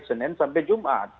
senin sampai jumat